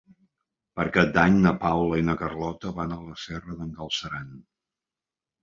Per Cap d'Any na Paula i na Carlota van a la Serra d'en Galceran.